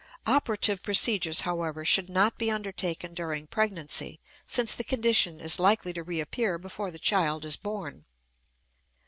Operative procedures, however, should not be undertaken during pregnancy, since the condition is likely to reappear before the child is born.